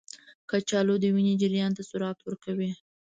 کچالو د وینې جریان ته سرعت ورکوي.